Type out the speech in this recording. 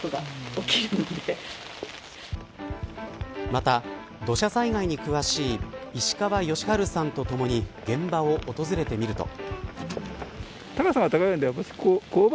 また、土砂災害に詳しい石川芳治さんとともに現場を訪れてみると。